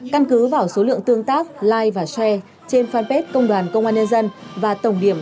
căn cứ vào số lượng tương tác live và strea trên fanpage công đoàn công an nhân dân và tổng điểm